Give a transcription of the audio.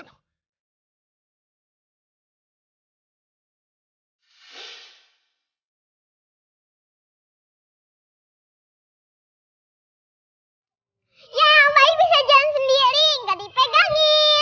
ya bayi bisa jalan sendiri nggak dipegangin